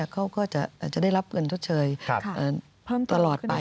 เขาก็จะได้รับเงินชดเชยเพิ่มตลอดไป